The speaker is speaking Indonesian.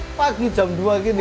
ini memang pagi jam dua gini